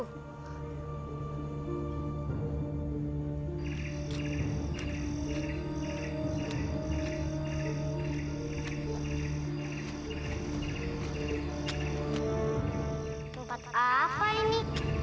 tempat apa ini